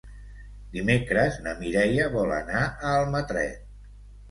Dimecres na Mireia vol anar a Almatret.